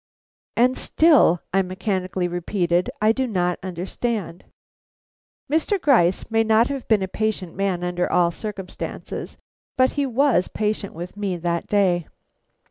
And still I mechanically repeated: "I do not understand." Mr. Gryce may not have been a patient man under all circumstances, but he was patient with me that day.